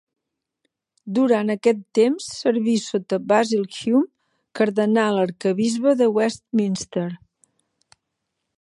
Durant aquest temps serví sota Basil Hume, Cardenal Arquebisbe de Westminster.